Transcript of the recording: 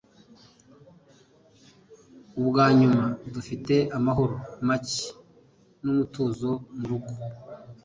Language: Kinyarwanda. Ubwanyuma, dufite amahoro make n'umutuzo murugo.